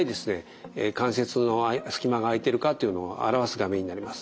関節の隙間が空いてるかっていうのを表す画面になります。